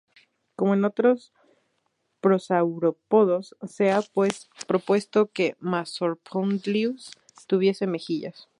Como en otros prosaurópodos, se ha propuesto que "Massospondylus" tuviese mejillas.